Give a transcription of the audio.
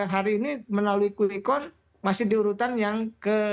hari ini melalui kulikon masih diurutan yang ke